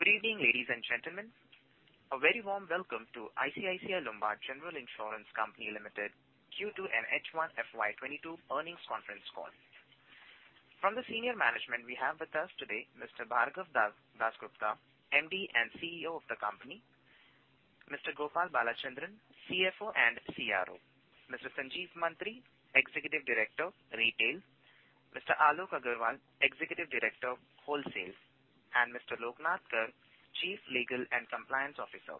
Good evening, ladies and gentlemen. A very warm welcome to ICICI Lombard General Insurance Company Limited Q2 and first half FY22 earnings conference call. From the senior management we have with us today, Mr. Bhargav Dasgupta, MD and CEO of the company, Mr. Gopal Balachandran, CFO and CRO, Mr. Sanjeev Mantri, Executive Director, Retail, Mr. Alok Agarwal, Executive Director, Wholesale, and Mr. Lokanath Kar, Chief Legal and Compliance Officer.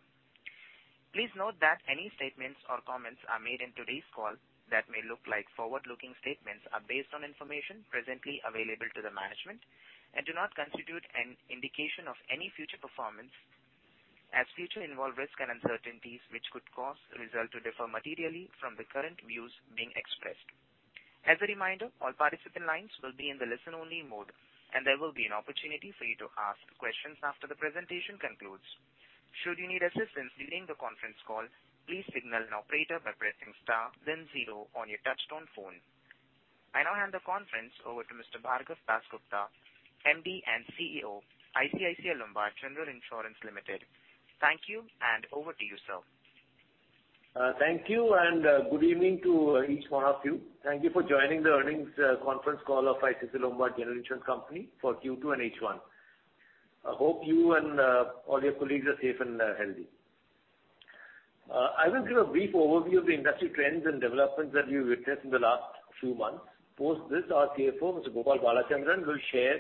Please note that any statements or comments are made in today's call that may look like forward-looking statements are based on information presently available to the management and do not constitute an indication of any future performance, as future involve risk and uncertainties, which could cause result to differ materially from the current views being expressed. As a reminder, all participant lines will be in the listen-only mode, and there will be an opportunity for you to ask questions after the presentation concludes. Should you need assistance during the conference call, please signal an operator by pressing star then zero on your touchtone phone. I now hand the conference over to Mr. Bhargav Dasgupta, MD and CEO, ICICI Lombard General Insurance Limited. Thank you, over to you, sir. Thank you, good evening to each one of you. Thank you for joining the earnings conference call of ICICI Lombard General Insurance Company for Q2 and first half. I hope you and all your colleagues are safe and healthy. I will give a brief overview of the industry trends and developments that we've witnessed in the last few months. Post this, our CFO, Mr. Gopal Balachandran, will share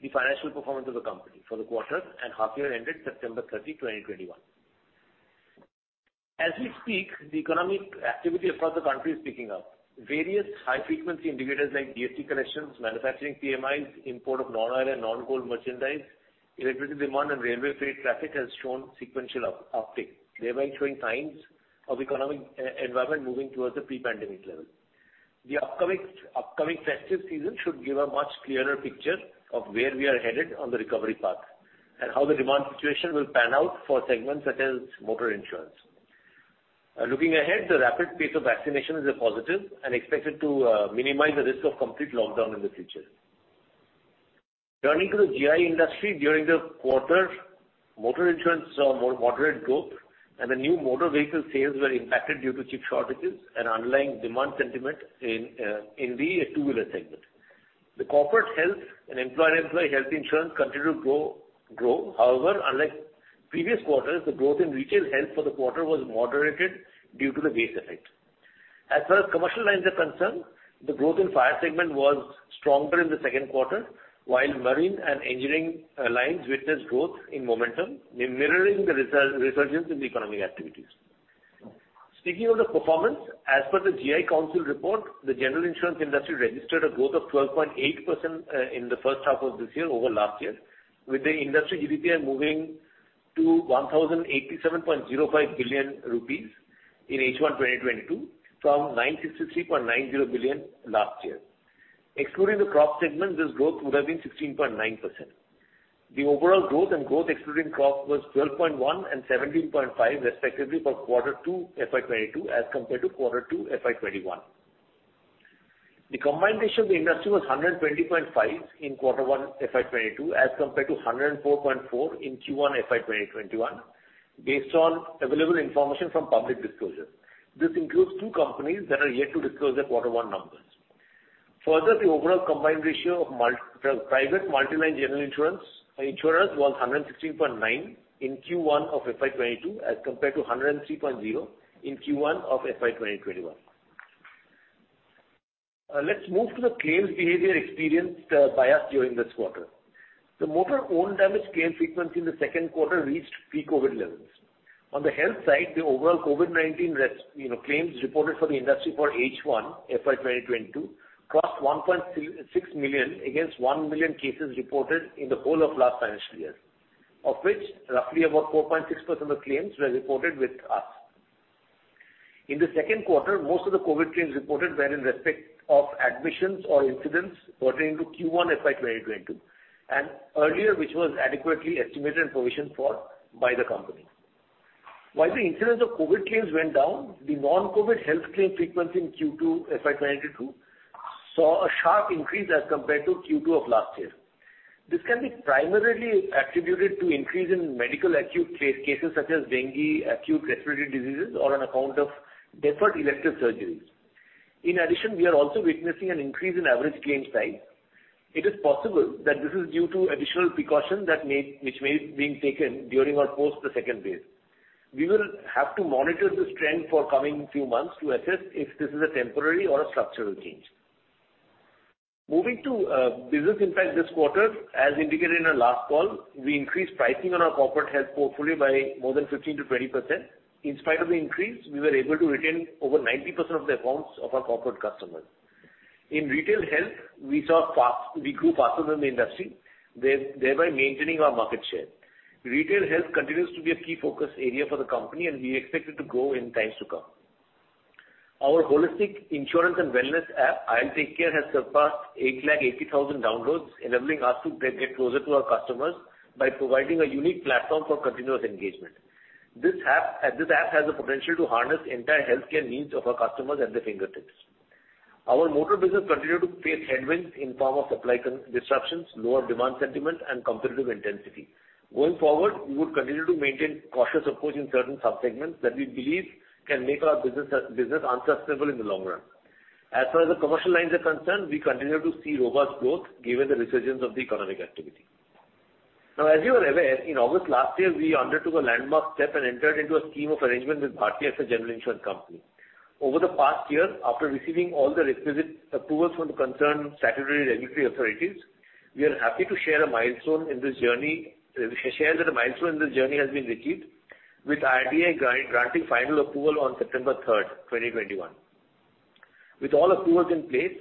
the financial performance of the company for the quarter and half year ended September 30, 2021. As we speak, the economic activity across the country is picking up. Various high-frequency indicators like GST collections, manufacturing PMIs, import of non-oil and non-gold merchandise, electricity demand and railway freight traffic has shown sequential uptick, thereby showing signs of economic environment moving towards the pre-pandemic level. The upcoming festive season should give a much clearer picture of where we are headed on the recovery path and how the demand situation will pan out for segments such as motor insurance. Looking ahead, the rapid pace of vaccination is a positive and expected to minimize the risk of complete lockdown in the future. Turning to the GI industry, during the quarter, motor insurance saw more moderate growth and the new motor vehicle sales were impacted due to chip shortages and underlying demand sentiment in the two-wheeler segment. The corporate health and employer-employee health insurance continued to grow. However, unlike previous quarters, the growth in retail health for the quarter was moderated due to the base effect. As far as commercial lines are concerned, the growth in fire segment was stronger in the second quarter, while marine and engineering lines witnessed growth in momentum, mirroring the resurgence in the economic activities. Speaking of the performance, as per the GI Council report, the general insurance industry registered a growth of 12.8% in the first half of this year over last year, with the industry GDPI moving to 1,087.05 billion rupees in first half 2022 from 963.90 billion last year. Excluding the crop segment, this growth would have been 16.9%. The overall growth and growth excluding crop was 12.1% and 17.5% respectively for quarter two FY 2022 as compared to quarter two FY 2021. The combined ratio of the industry was 120.5 in quarter one FY 2022 as compared to 104.4 in Q1 FY 2021 based on available information from public disclosure. This includes two companies that are yet to disclose their quarter one numbers. The overall combined ratio of private multi-line general insurance was 116.9 in Q1 of FY 2022 as compared to 103.0 in Q1 of FY 2021. Let's move to the claims behavior experienced by us during this quarter. The motor own damage claim frequency in the second quarter reached pre-COVID levels. On the health side, the overall COVID-19 claims reported for the industry for first half FY 2022 crossed 1.6 million against 1 million cases reported in the whole of last financial year, of which roughly about 4.6% of claims were reported with us. In the second quarter, most of the COVID claims reported were in respect of admissions or incidents pertaining to Q1 FY 2022 and earlier, which was adequately estimated and provisioned for by the company. While the incidence of COVID claims went down, the non-COVID health claim frequency in Q2 FY 2022 saw a sharp increase as compared to Q2 of last year. This can be primarily attributed to increase in medical acute cases such as dengue, acute respiratory diseases, or on account of deferred elective surgeries. We are also witnessing an increase in average claim size. It is possible that this is due to additional precaution which may be taken during or post the second wave. We will have to monitor this trend for coming few months to assess if this is a temporary or a structural change. Moving to business impact this quarter, as indicated in our last call, we increased pricing on our corporate health portfolio by more than 15%-20%. In spite of the increase, we were able to retain over 90% of the accounts of our corporate customers. In retail health, we grew faster than the industry, thereby maintaining our market share. Retail health continues to be a key focus area for the company. We expect it to grow in times to come. Our holistic insurance and wellness app, IL TakeCare, has surpassed 880,000 downloads, enabling us to get closer to our customers by providing a unique platform for continuous engagement. This app has the potential to harness entire healthcare needs of our customers at their fingertips. Our motor business continued to face headwinds in form of supply disruptions, lower demand sentiment, and competitive intensity. Going forward, we would continue to maintain cautious approach in certain sub-segments that we believe can make our business unsustainable in the long run. As far as the commercial lines are concerned, we continue to see robust growth given the resurgence of the economic activity. As you are aware, in August last year, we undertook a landmark step and entered into a scheme of arrangement with Bharti AXA General Insurance Company. Over the past year, after receiving all the requisite approvals from the concerned statutory regulatory authorities, we are happy to share that a milestone in this journey has been achieved with IRDAI granting final approval on September 3rd, 2021. With all approvals in place,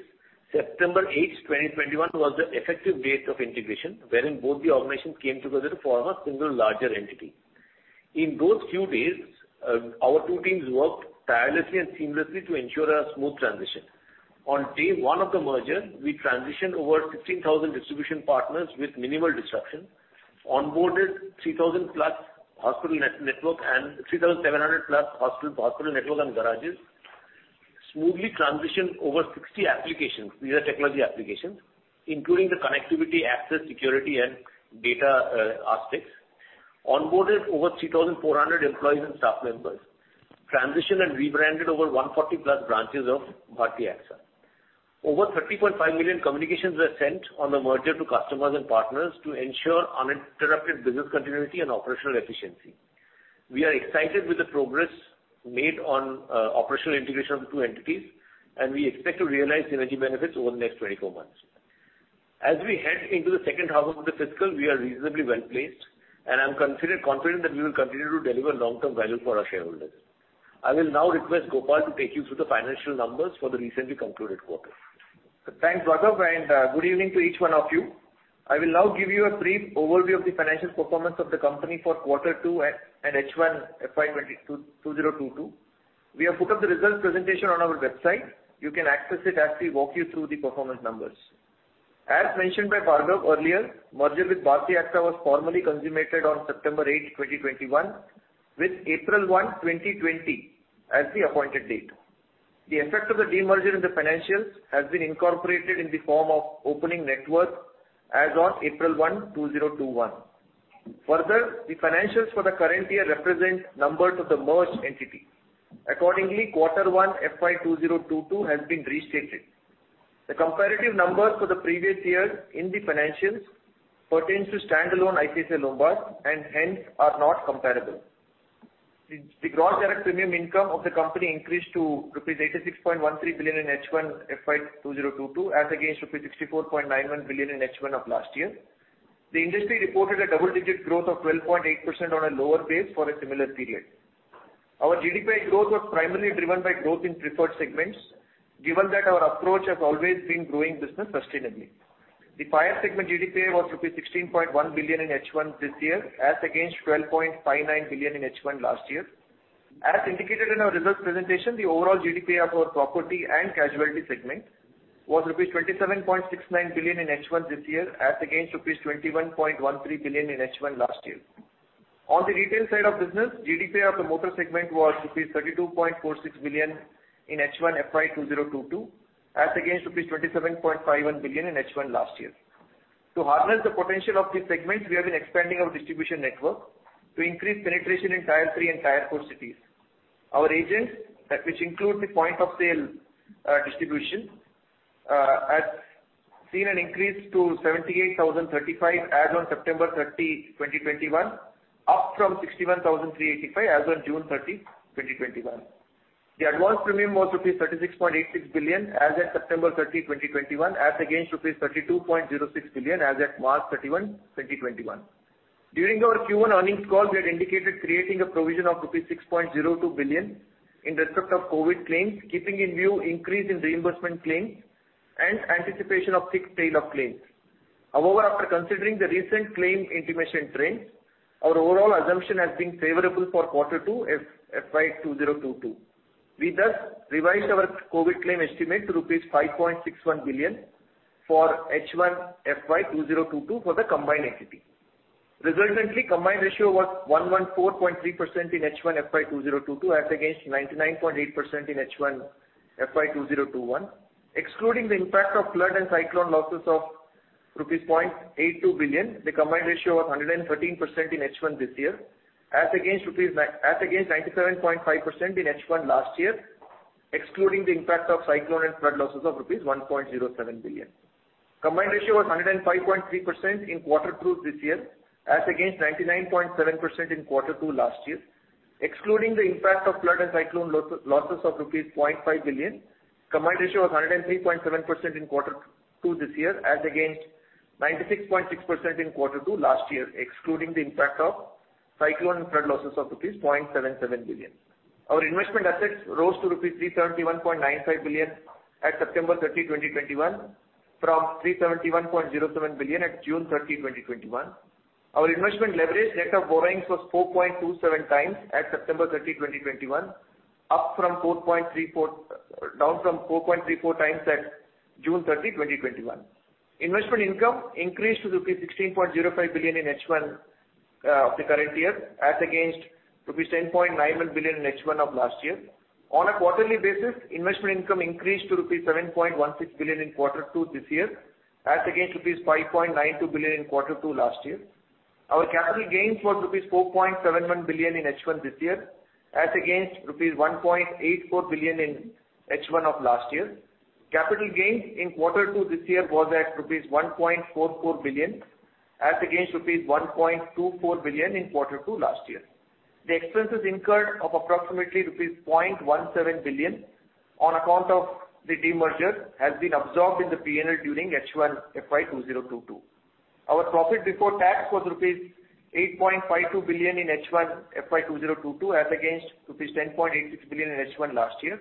September 8, 2021 was the effective date of integration, wherein both the organizations came together to form a single larger entity. In those few days, our two teams worked tirelessly and seamlessly to ensure a smooth transition. On day one of the merger, we transitioned over 15,000 distribution partners with minimal disruption, onboarded 3,000+ hospital network and 3,700+ hospital network and garages, smoothly transitioned over 60 applications, these are technology applications, including the connectivity, access, security, and data aspects, onboarded over 3,400 employees and staff members, transitioned and rebranded over 140+ branches of Bharti AXA. Over 30.5 million communications were sent on the merger to customers and partners to ensure uninterrupted business continuity and operational efficiency. We are excited with the progress made on operational integration of the two entities. We expect to realize synergy benefits over the next 24 months. As we head into the second half of the fiscal, we are reasonably well-placed. I'm confident that we will continue to deliver long-term value for our shareholders. I will now request Gopal to take you through the financial numbers for the recently concluded quarter. Thanks, Bhargav, and good evening to each one of you. I will now give you a brief overview of the financial performance of the company for Q2 and first half FY 2022. We have put up the results presentation on our website. You can access it as we walk you through the performance numbers. As mentioned by Bhargav earlier, merger with Bharti AXA was formally consummated on September 8, 2021, with April 1, 2020 as the appointed date. The effect of the demerger in the financials has been incorporated in the form of opening net worth as on April 1, 2021. Further, the financials for the current year represent numbers of the merged entity. Accordingly, Q1 FY 2022 has been restated. The comparative numbers for the previous year in the financials pertain to standalone ICICI Lombard, and hence are not comparable. The gross direct premium income of the company increased to rupees 86.13 billion in first half FY 2022 as against rupees 64.91 billion in first half of last year. The industry reported a double-digit growth of 12.8% on a lower base for a similar period. Our GDPI growth was primarily driven by growth in preferred segments, given that our approach has always been growing business sustainably. The fire segment GDPI was rupees 16.1 billion in first half this year, as against 12.59 billion in first half last year. As indicated in our results presentation, the overall GDPI of our property and casualty segment was rupees 27.69 billion in first half this year, as against rupees 21.13 billion in first half last year. On the retail side of business, GDPI of the motor segment was rupees 32.46 billion in first half FY 2022, as against rupees 27.51 billion in first half last year. To harness the potential of these segments, we have been expanding our distribution network to increase penetration in tier three and tier four cities. Our agents, which includes the point of sale distribution, has seen an increase to 78,035 as on September 30, 2021, up from 61,385 as on June 30, 2021. The advance premium was rupees 36.86 billion as at September 30, 2021, as against rupees 32.06 billion as at March 31, 2021. During our Q1 earnings call, we had indicated creating a provision of rupees 6.02 billion in respect of COVID claims, keeping in view increase in reimbursement claims and anticipation of thick tail of claims. However, after considering the recent claim intimation trends, our overall assumption has been favorable for Q2 FY 2022. We thus revised our COVID claim estimate to rupees 5.61 billion for first half FY 2022 for the combined entity. Resultantly, combined ratio was 114.3% in first half FY 2022 as against 99.8% in first half FY 2021. Excluding the impact of flood and cyclone losses of rupees 0.82 billion, the combined ratio was 113% in first half this year as against 97.5% in first half last year, excluding the impact of cyclone and flood losses of rupees 1.07 billion. Combined ratio was 105.3% in quarter two this year as against 99.7% in quarter two last year. Excluding the impact of flood and cyclone losses of rupees 0.5 billion, combined ratio was 103.7% in quarter two this year as against 96.6% in quarter two last year, excluding the impact of cyclone and flood losses of rupees 0.77 billion. Our investment assets rose to rupees 331.95 billion at September 30, 2021 from 331.07 billion at June 30, 2021. Our investment leverage net of borrowings was 4.27x at September 30, 2021, down from 4.34x at June 30, 2021. Investment income increased to rupees 16.05 billion in first half of the current year as against rupees 10.91 billion in first half of last year. On a quarterly basis, investment income increased to rupees 7.16 billion in quarter two this year, as against rupees 5.92 billion in quarter two last year. Our capital gains was rupees 4.71 billion in first half this year, as against rupees 1.84 billion in first half of last year. Capital gains in quarter two this year was at rupees 1.44 billion, as against rupees 1.24 billion in quarter two last year. The expenses incurred of approximately rupees 0.17 billion on account of the demerger has been absorbed in the P&L during first half FY 2022. Our profit before tax was rupees 8.52 billion in first half FY 2022, as against rupees 10.86 billion in first half last year,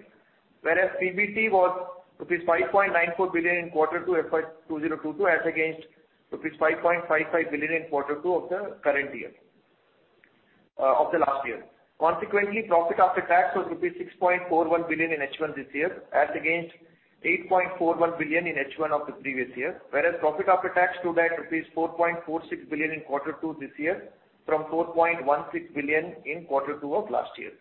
whereas PBT was rupees 5.94 billion in quarter two FY 2022, as against rupees 5.55 billion in quarter two of last year. Consequently, profit after tax was rupees 6.41 billion in first half this year, as against 8.41 billion in first half of the previous year. Whereas profit after tax stood at rupees 4.46 billion in quarter two this year from 4.16 billion in quarter two of last year.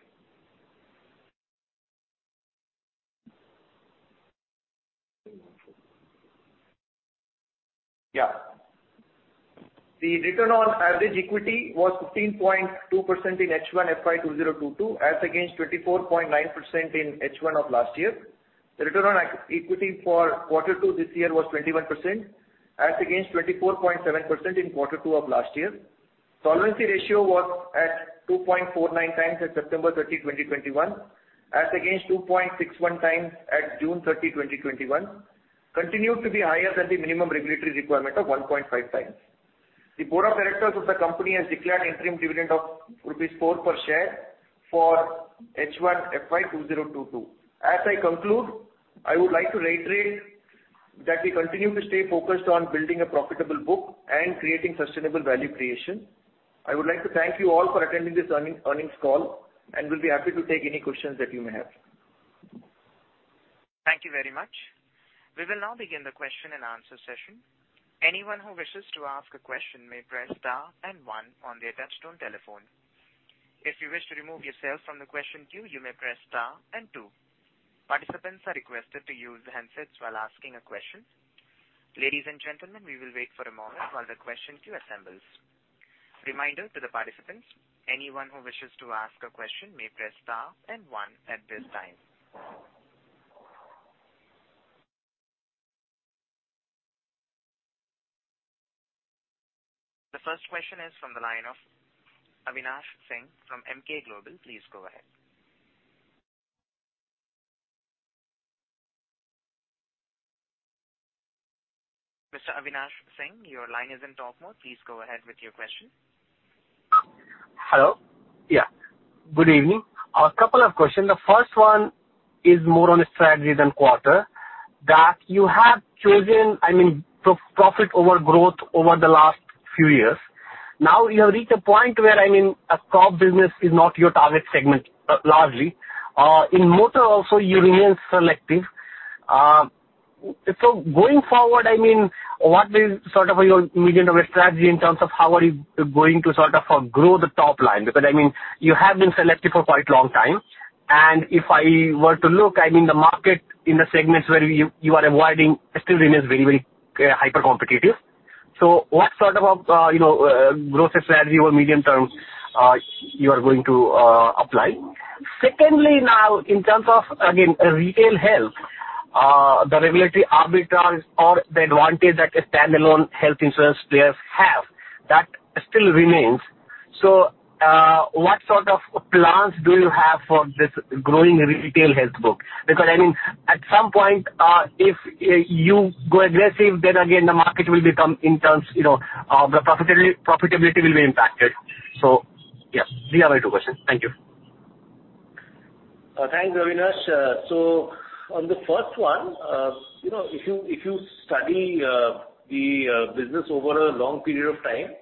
The return on average equity was 15.2% in first half FY 2022, as against 24.9% in first half of last year. The return on equity for quarter two this year was 21%, as against 24.7% in quarter two of last year. Solvency ratio was at 2.49x at September 30, 2021, as against 2.61x at June 30, 2021. Continued to be higher than the minimum regulatory requirement of 1.5x. The board of directors of the company has declared interim dividend of 4 rupees per share for first half FY 2022. As I conclude, I would like to reiterate that we continue to stay focused on building a profitable book and creating sustainable value creation. I would like to thank you all for attending this earnings call and will be happy to take any questions that you may have. Thank you very much. We will now begin the question and answer session. Anyone who wishes to ask a question may press star and one on their touch-tone telephone. If you wish to remove yourself from the question queue, you may press star and two. Participants are requested to use handsets while asking a question. Ladies and gentlemen, we will wait for a moment while the question queue assembles. Reminder to the participants, anyone who wishes to ask a question may press star and one at this time. The first question is from the line of Avinash Singh from Emkay Global. Please go ahead. Mr. Avinash Singh, your line is in talk mode. Please go ahead with your question. Hello. Yeah. Good evening. Two questions. The first one is more on strategy than quarter, that you have chosen profit over growth over the last few years. You have reached a point where a crop business is not your target segment, largely. In motor also, you remain selective. Going forward, what is your medium-term strategy in terms of how are you going to grow the top line? You have been selective for quite a long time, if I were to look, the market in the segments where you are avoiding still remains very hypercompetitive. What sort of growth strategy or medium-term you are going to apply? In terms of, again, retail health, the regulatory arbitrage or the advantage that a standalone health insurance players have, that still remains. What sort of plans do you have for this growing retail health book? At some point, if you go aggressive, then again the market will become in terms of the profitability will be impacted. Yes, these are my two questions. Thank you. Thanks, Avinash. On the first one, if you study the business over a long period of time,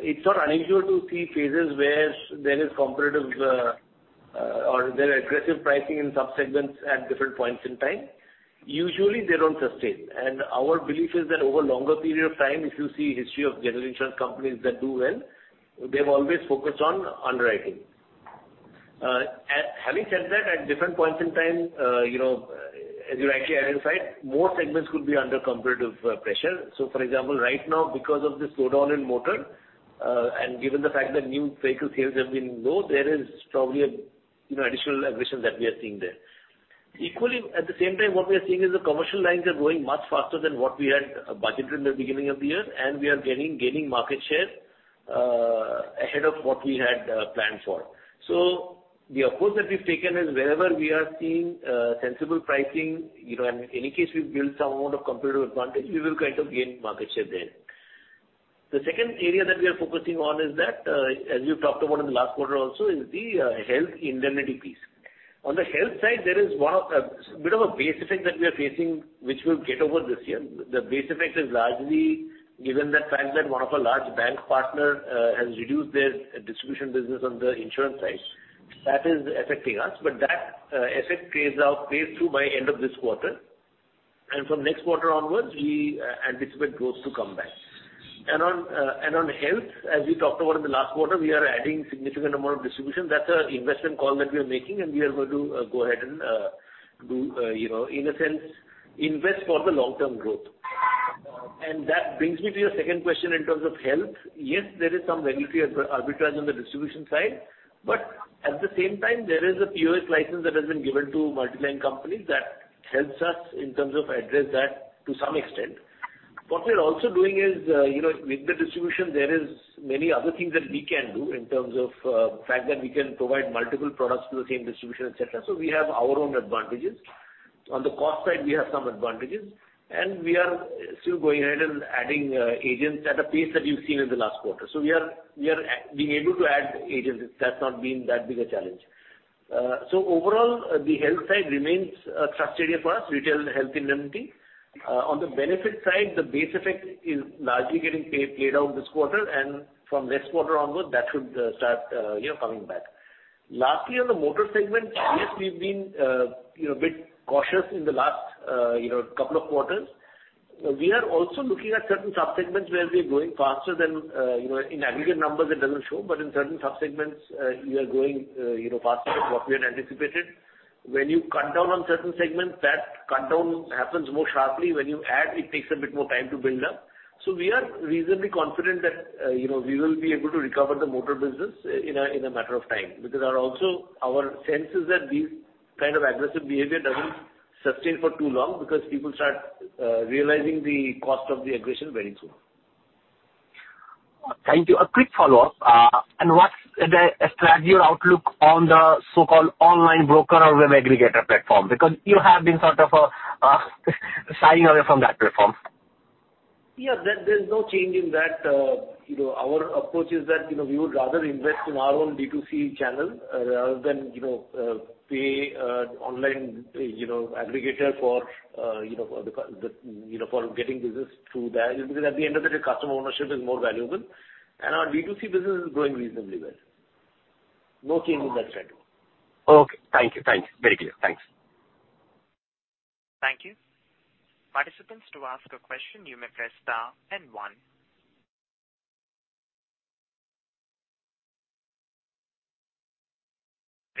it's not unusual to see phases where there is competitive or there are aggressive pricing in sub-segments at different points in time. Usually, they don't sustain. Our belief is that over a longer period of time, if you see history of general insurance companies that do well, they've always focused on underwriting. Having said that, at different points in time, as you rightly identified, more segments could be under competitive pressure. For example, right now because of the slowdown in motor and given the fact that new vehicle sales have been low, there is probably additional aggression that we are seeing there. Equally, at the same time, what we are seeing is the commercial lines are growing much faster than what we had budgeted in the beginning of the year, and we are gaining market share ahead of what we had planned for. The approach that we've taken is wherever we are seeing sensible pricing, and in any case we've built some amount of competitive advantage, we will gain market share there. The second area that we are focusing on is that, as we've talked about in the last quarter also, is the health indemnity piece. On the health side, there is a bit of a base effect that we are facing, which we'll get over this year. The base effect is largely given the fact that one of our large bank partners has reduced their distribution business on the insurance side. That is affecting us, but that effect pays through by end of this quarter. From next quarter onwards, we anticipate growth to come back. On health, as we talked about in the last quarter, we are adding significant amount of distribution. That's an investment call that we are making, and we are going to go ahead and, in a sense, invest for the long-term growth. That brings me to your second question in terms of health. Yes, there is some regulatory arbitrage on the distribution side. At the same time, there is a POS license that has been given to multiline companies that helps us in terms of address that to some extent. What we're also doing is, with the distribution, there is many other things that we can do in terms of the fact that we can provide multiple products to the same distribution, et cetera. We have our own advantages. On the cost side, we have some advantages, and we are still going ahead and adding agents at a pace that you've seen in the last quarter. We are being able to add agents. That's not been that big a challenge. Overall, the health side remains a thrust area for us, retail health, and indemnity. On the benefit side, the base effect is largely getting played out this quarter, and from next quarter onwards, that should start coming back. Lastly, on the motor segment, yes, we've been a bit cautious in the last couple of quarters. We are also looking at certain sub-segments where we're growing. In aggregate numbers, it doesn't show, but in certain sub-segments, we are growing faster than what we had anticipated. When you cut down on certain segments, that cut down happens more sharply. When you add, it takes a bit more time to build up. We are reasonably confident that we will be able to recover the motor business in a matter of time, because also our sense is that this kind of aggressive behavior doesn't sustain for too long because people start realizing the cost of the aggression very soon. Thank you. A quick follow-up. What's your outlook on the so-called online broker or web aggregator platform? Because you have been sort of shying away from that platform. Yeah, there's no change in that. Our approach is that we would rather invest in our own D2C channel rather than pay online aggregator for getting business through that. At the end of the day, customer ownership is more valuable, and our D2C business is growing reasonably well. No change in that front. Okay. Thank you. Very clear. Thanks. Thank you. Participants, to ask a question, you may press star and one.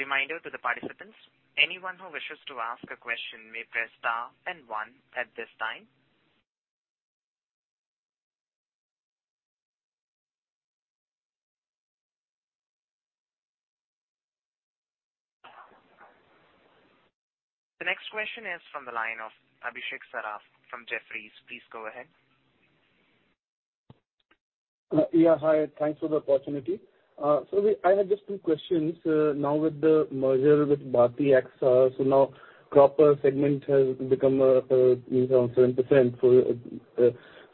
Reminder to the participants, anyone who wishes to ask a question may press star and one at this time. The next question is from the line of Abhishek Saraf from Jefferies. Please go ahead. Yeah. Hi, thanks for the opportunity. I have just two questions. Now with the merger with Bharti AXA, now crop segment has become around 7%.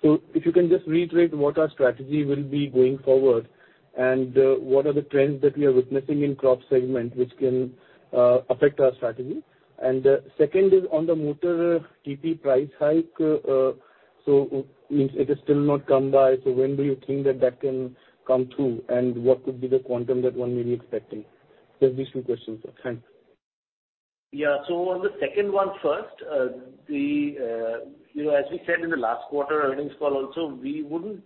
If you can just reiterate what our strategy will be going forward, and what are the trends that we are witnessing in crop segment which can affect our strategy. Second is on the motor TP price hike. It has still not come by, so when do you think that that can come through, and what could be the quantum that one may be expecting? Just these two questions, sir. Thanks. On the second one first, as we said in the last quarter earnings call also, we wouldn't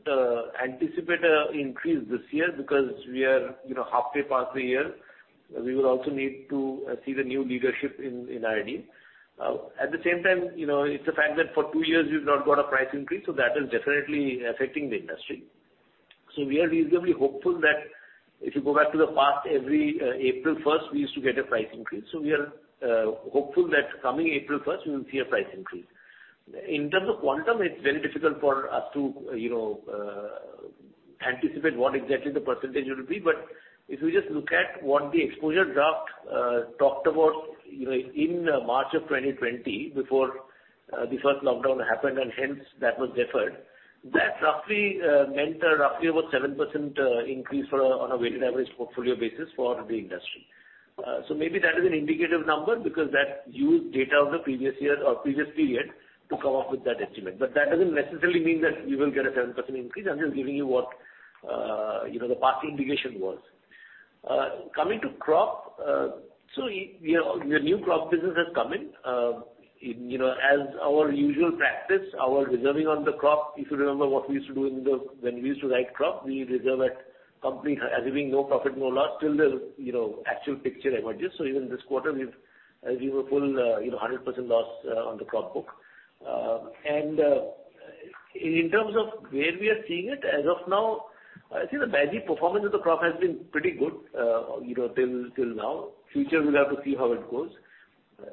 anticipate an increase this year because we are halfway past the year. We will also need to see the new leadership in IRDAI. At the same time, it's a fact that for two years we've not got a price increase, so that is definitely affecting the industry. We are reasonably hopeful that if you go back to the past, every April 1st we used to get a price increase. We are hopeful that coming April 1st, we will see a price increase. In terms of quantum, it's very difficult for us to anticipate what exactly the percentage will be. If you just look at what the exposure draft talked about in March of 2020, before the first lockdown happened and hence that was deferred, that roughly meant a roughly about 7% increase on a weighted average portfolio basis for the industry. Maybe that is an indicative number because that used data of the previous year or previous period to come up with that estimate. That doesn't necessarily mean that we will get a 7% increase. I'm just giving you what the past indication was. Coming to crop, so the new crop business has come in. As our usual practice, our reserving on the crop, if you remember what we used to do when we used to write crop, we reserve at assuming no profit, no loss till the actual picture emerges. Even this quarter, we've given a full 100% loss on the crop book. In terms of where we are seeing it, as of now, I think the basic performance of the crop has been pretty good till now. Future, we'll have to see how it goes.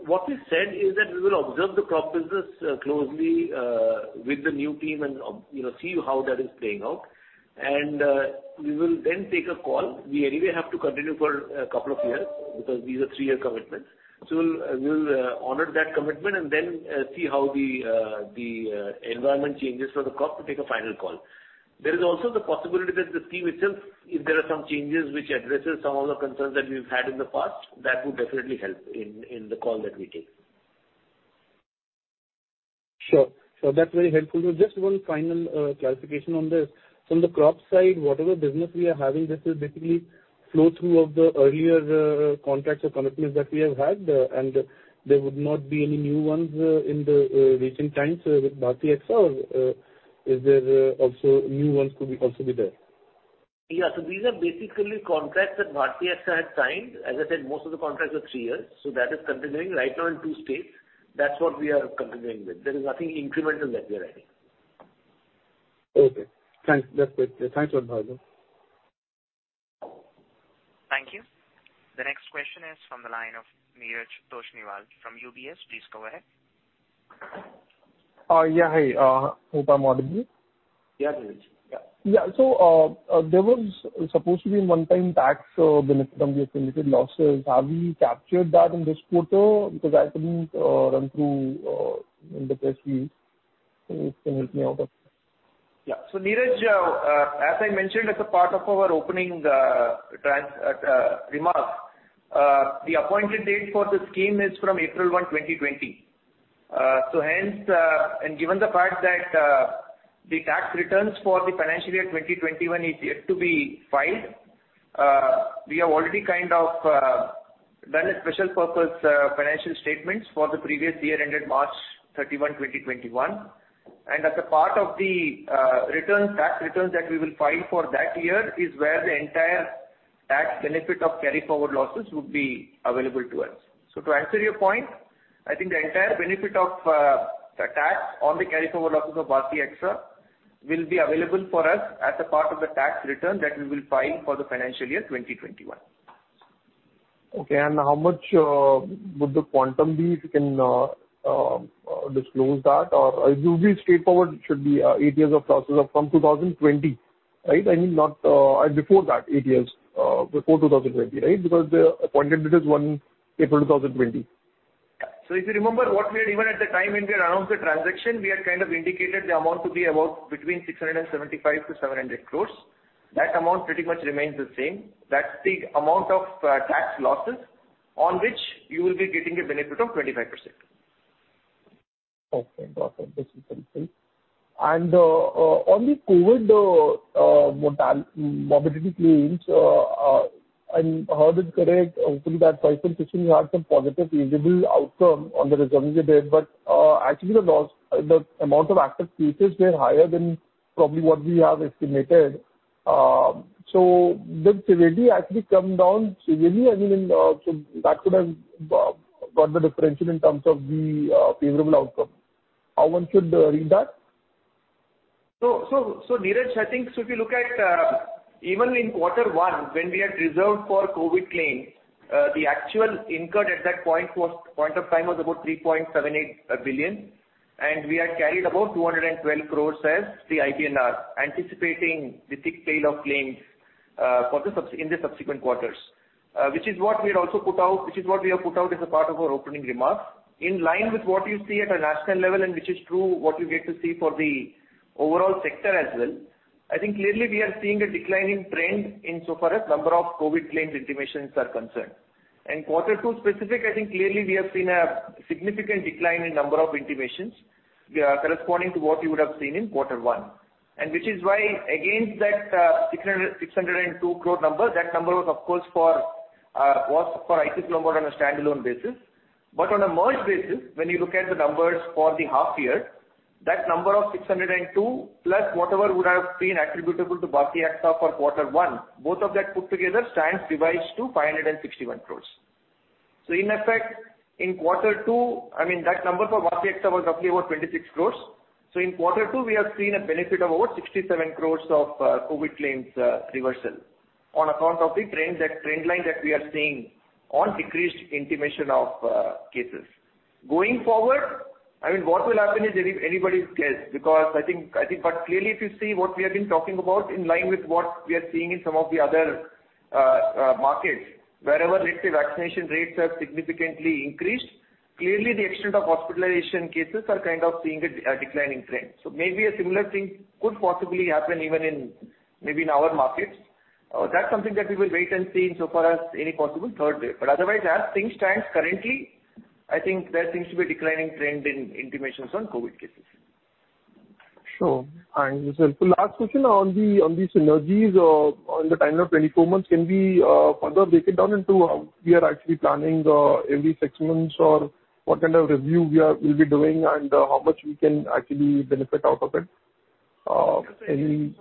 What we said is that we will observe the crop business closely with the new team and see how that is playing out. We will then take a call. We anyway have to continue for a couple of years because these are three-year commitments. We'll honor that commitment and then see how the environment changes for the crop to take a final call. There is also the possibility that the team itself, if there are some changes which addresses some of the concerns that we've had in the past, that would definitely help in the call that we take. Sure. That's very helpful. Just one final clarification on this. From the crop side, whatever business we are having, this is basically flow through of the earlier contracts or commitments that we have had. There would not be any new ones in the recent times with Bharti AXA. Is there also new ones could also be there? Yeah. These are basically contracts that Bharti AXA had signed. As I said, most of the contracts are three years, so that is continuing right now in two states. That's what we are continuing with. There is nothing incremental that we are adding. Okay. Thanks. That's great. Thanks a lot, Bhargav. Thank you. The next question is from the line of Neeraj Toshniwal from UBS. Please go ahead. Yeah. Hi. Uttam Wadekar here. Yeah, Uttam. Yeah. There was supposed to be a one-time tax benefit from the accumulated losses. Have we captured that in this quarter? Because I couldn't run through independently. If you can help me out. Uttam, as I mentioned as a part of our opening remarks, the appointed date for the scheme is from April 1, 2020. Given the fact that the tax returns for the financial year 2021 is yet to be filed, we have already done a special purpose financial statements for the previous year ended March 31, 2021. As a part of the tax returns that we will file for that year is where the entire tax benefit of carry forward losses would be available to us. To answer your point, I think the entire benefit of the tax on the carry forward losses of Bharti AXA will be available for us as a part of the tax return that we will file for the financial year 2021. Okay. How much would the quantum be, if you can disclose that? It will be straightforward, it should be eight years of losses from 2020, right? I mean, before that eight years, before 2020, right? The appointed date is April 1, 2020. If you remember what we had given at the time when we had announced the transaction, we had indicated the amount to be about between 675 crore-700 crore. That amount pretty much remains the same. That's the amount of tax losses on which you will be getting a benefit of 25%. Okay. Got it. This is helpful. On the COVID morbidity claims, I heard it correct, hopefully that pricing and provisioning you had some positive favorable outcome on the reserves you did, but actually the amount of active cases were higher than probably what we have estimated. Did severity actually come down severely? That could have got the differential in terms of the favorable outcome. How one should read that? Uttam, I think if you look at even in quarter one when we had reserved for COVID claims, the actual incurred at that point of time was about 3.78 billion and we had carried about 212 crores as the IBNR, anticipating the thick tail of claims in the subsequent quarters, which is what we have put out as a part of our opening remarks. In line with what you see at a national level and which is true what you get to see for the overall sector as well. I think clearly we are seeing a declining trend insofar as number of COVID claims intimations are concerned. quarter two specific, I think clearly we have seen a significant decline in number of intimations corresponding to what you would have seen in quarter one. Which is why against that 602 crore number, that number was, of course, for ICICI Lombard on a standalone basis. On a merge basis, when you look at the numbers for the half year, that number of 602 plus whatever would have been attributable to Bharti AXA for quarter one, both of that put together stands revised to 561 crore. In effect, in quarter two, I mean that number for Bharti AXA was roughly about 26 crore. In quarter two, we have seen a benefit of about 67 crore of COVID claims reversal on account of the trend line that we are seeing on decreased intimation of cases. Going forward, what will happen is anybody's guess. Clearly, if you see what we have been talking about in line with what we are seeing in some of the other markets, wherever, let's say, vaccination rates have significantly increased, clearly the extent of hospitalization cases are kind of seeing a declining trend. Maybe a similar thing could possibly happen even in our markets. That's something that we will wait and see insofar as any possible third wave. Otherwise, as things stand currently, I think there seems to be a declining trend in intimations on COVID cases. Sure. Thanks. The last question on the synergies on the time of 24 months. Can we further break it down into how we are actually planning every six months or what kind of review we will be doing and how much we can actually benefit out of it? Uttam,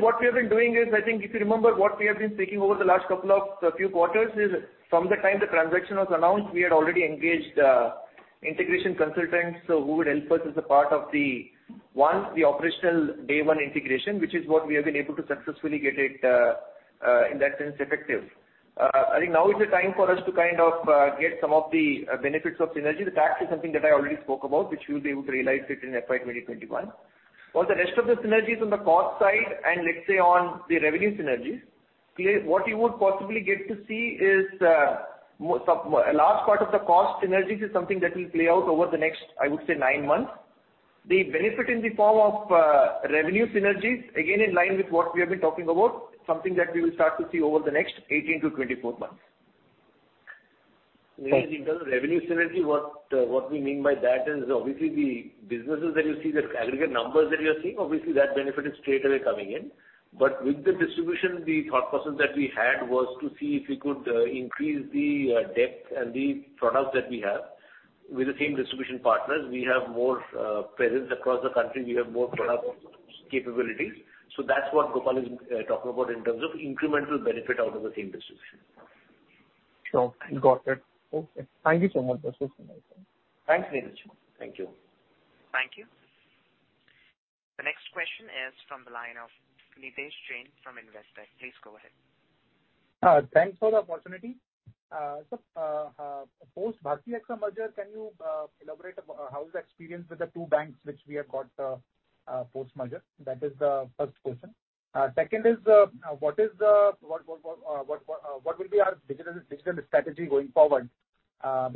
what we have been doing is, I think, if you remember what we have been saying over the last couple of few quarters is from the time the transaction was announced, we had already engaged integration consultants who would help us as a part of the, one, the operational day 1 integration, which is what we have been able to successfully get it, in that sense, effective. I think now is the time for us to get some of the benefits of synergy. The tax is something that I already spoke about, which we will be able to realize it in FY 2021. For the rest of the synergies on the cost side and let's say on the revenue synergies, what you would possibly get to see is a large part of the cost synergies is something that will play out over the next, I would say, nine months. The benefit in the form of revenue synergies, again, in line with what we have been talking about, something that we will start to see over the next 18-24 months. In terms of revenue synergy, what we mean by that is obviously the businesses that you see, the aggregate numbers that you're seeing, obviously that benefit is straight away coming in. With the distribution, the thought process that we had was to see if we could increase the depth and the products that we have with the same distribution partners. We have more presence across the country. We have more product capabilities. That's what Gopal is talking about in terms of incremental benefit out of the same distribution. Sure. Got it. Okay. Thank you so much. Thanks, Uttam. Thank you. Thank you. The next question is from the line of Nidhesh Jain from Investec. Please go ahead. Thanks for the opportunity. Sir, post Bharti AXA merger, can you elaborate how is the experience with the two banks which we have got post-merger? That is the first question. Second is, what will be our digital strategy going forward?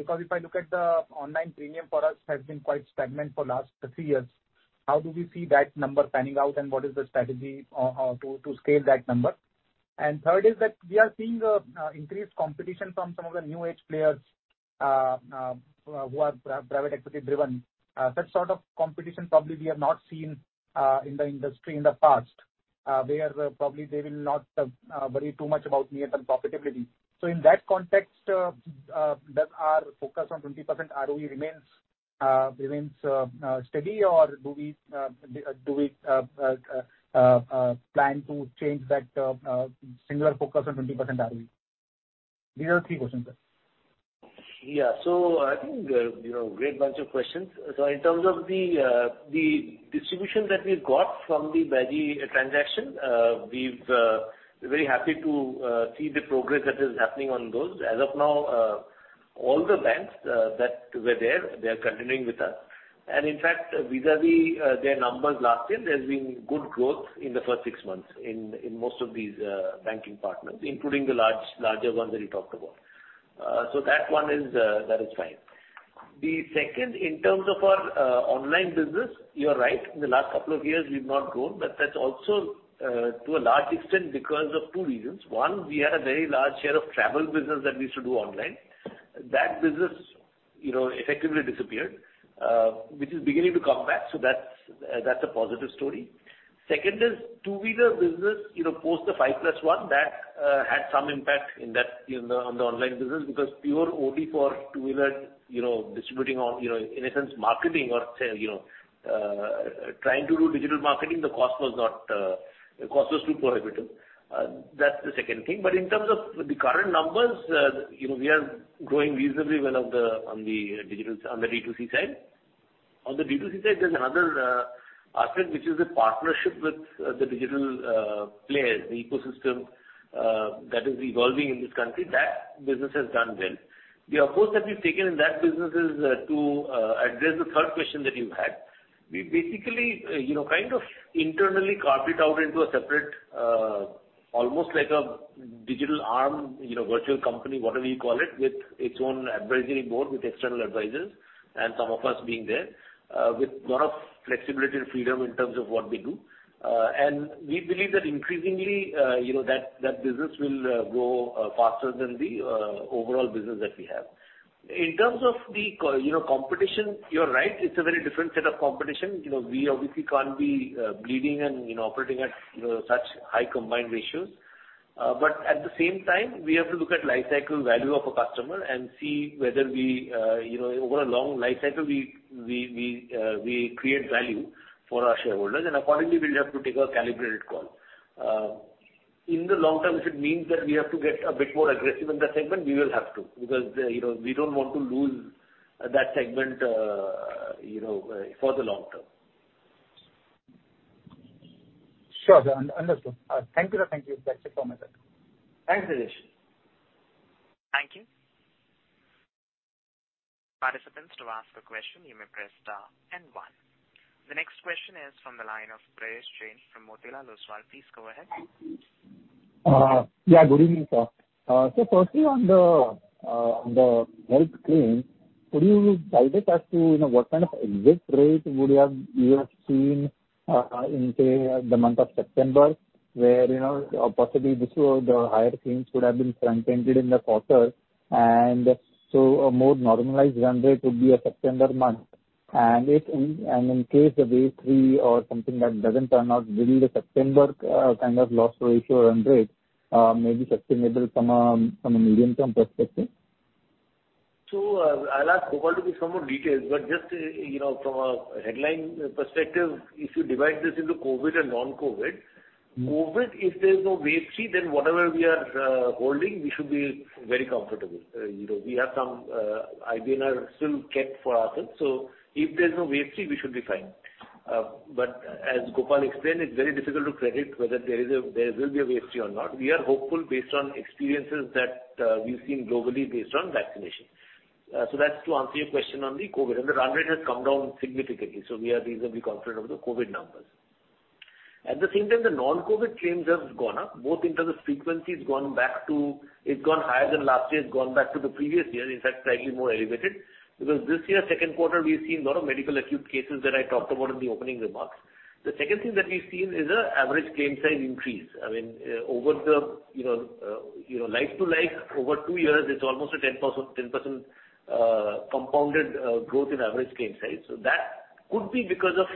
If I look at the online premium for us has been quite stagnant for last three years. How do we see that number panning out and what is the strategy to scale that number? Third is that we are seeing increased competition from some of the new age players who are private equity driven. That sort of competition probably we have not seen in the industry in the past. Probably they will not worry too much about near-term profitability. In that context, does our focus on 20% ROE remain steady or do we plan to change that singular focus on 20% ROE? These are the three questions, sir. Yeah. I think great bunch of questions. In terms of the distribution that we've got from the Bharti AXA transaction, we're very happy to see the progress that is happening on those. As of now, all the banks that were there, they are continuing with us and in fact vis-à-vis their numbers last year, there's been good growth in the first six months in most of these banking partners, including the larger ones that you talked about. That one is fine. The second, in terms of our online business, you are right. In the last couple of years we've not grown but that's also to a large extent because of two reasons. One, we had a very large share of travel business that we used to do online. That business effectively disappeared which is beginning to come back, so that's a positive story. Second is two-wheeler business post the 5+1 that had some impact on the online business because pure only for two-wheeler distributing or in a sense marketing or trying to do digital marketing, the cost was too prohibitive. That's the second thing. In terms of the current numbers, we are growing reasonably well on the D2C side. On the D2C side, there's another aspect which is a partnership with the digital players, the ecosystem that is evolving in this country. That business has done well. The approach that we've taken in that business is to address the third question that you had. We basically kind of internally carved it out into a separate almost like a digital arm, virtual company, whatever you call it, with its own advisory board, with external advisors and some of us being there with lot of flexibility and freedom in terms of what we do. We believe that increasingly that business will grow faster than the overall business that we have. In terms of the competition, you're right. It's a very different set of competition. We obviously can't be bleeding and operating at such high combined ratios. At the same time, we have to look at lifecycle value of a customer and see whether over a long lifecycle we create value for our shareholders and accordingly we'll have to take a calibrated call. In the long term, if it means that we have to get a bit more aggressive in that segment, we will have to because we don't want to lose that segment for the long term. Sure. Understood. Thank you. That's it from my side. Thanks, Nidhesh. Thank you. Participants to ask a question, you may press star and one. The next question is from the line of Prayesh Jain from Motilal Oswal. Please go ahead. Yeah, good evening sir. Firstly on the health claim, could you guide us as to what kind of exit rate would you have seen in, say, the month of September where possibly the higher claims would have been front ended in the quarter and so a more normalized run rate would be a September month. In case the wave three or something that doesn't turn out will the September kind of loss ratio run rate may be sustainable from a medium-term perspective? I'll ask Gopal to give some more details, but just from a headline perspective, if you divide this into COVID and non-COVID. COVID, if there's no wave three then whatever we are holding, we should be very comfortable. We have some IBNR still kept for ourselves, if there's no wave three we should be fine. As Gopal explained, it's very difficult to credit whether there will be a wave three or not. We are hopeful based on experiences that we've seen globally based on vaccination. That's to answer your question on the COVID and the run rate has come down significantly, we are reasonably confident of the COVID numbers. At the same time, the non-COVID claims have gone up both in terms of frequency it's gone higher than last year. It's gone back to the previous year, in fact slightly more elevated because this year second quarter we've seen lot of medical acute cases that I talked about in the opening remarks. The second thing that we've seen is a average claim size increase. Like to like over two years it's almost a 10% compounded growth in average claim size. So that Could be because of,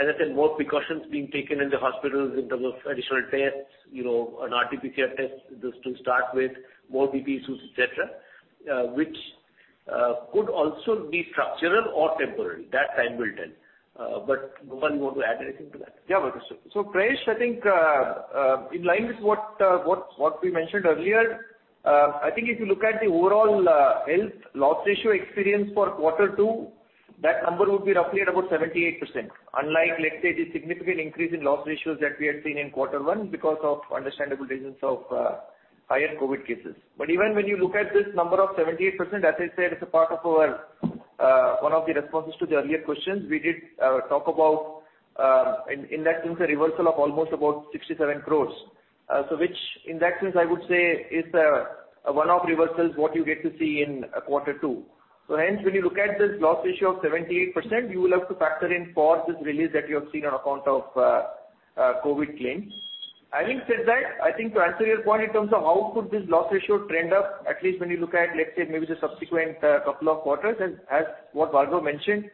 as I said, more precautions being taken in the hospitals in terms of additional tests, an RTPCR test just to start with, more BP issues, etc, which could also be structural or temporary. That time will tell. Gopal Balachandran, you want to add anything to that? Yeah, sure. Prayesh, I think in line with what we mentioned earlier, I think if you look at the overall health loss ratio experience for quarter two, that number would be roughly at about 78%. Unlike, let's say, the significant increase in loss ratios that we had seen in quarter one because of understandable reasons of higher COVID cases. Even when you look at this number of 78%, as I said, as a part of one of the responses to the earlier questions, we did talk about, in that sense, a reversal of almost about 67 crores. Which, in that sense, I would say is a one-off reversal is what you get to see in quarter two. Hence, when you look at this loss ratio of 78%, you will have to factor in for this release that you have seen on account of COVID claims. Having said that, I think to answer your point in terms of how could this loss ratio trend up, at least when you look at, let's say maybe the subsequent couple of quarters, as what Bhargav mentioned,